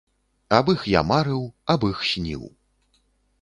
Аб іх я марыў, аб іх сніў.